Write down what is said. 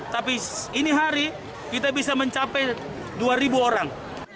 tapi ini hari kita bisa mencapai dua orang